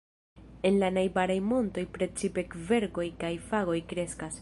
En la najbaraj montoj precipe kverkoj kaj fagoj kreskas.